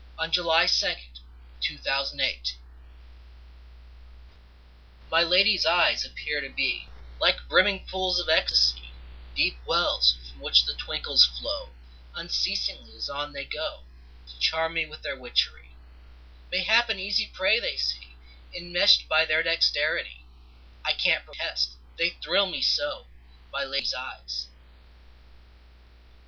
150340RondeauNathanael West My lady's eyes appear to be Like brimming pools of ecstasy, Deep wells, from which the twinkles flow Unceasingly as on they go To charm me with their witchery; Mayhap an easy prey they see, Enmeshed by their dexterity; I can't protest; they thrill me so— My lady's eyes.